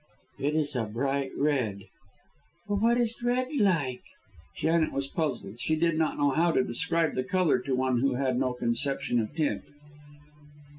"It is a bright red." "But what is red like?" Janet was puzzled. She did not know how to describe the colour to one who had no conception of tint.